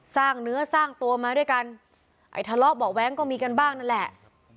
สร้างเนื้อสร้างตัวมาด้วยกันไอ้ทะเลาะเบาะแว้งก็มีกันบ้างนั่นแหละ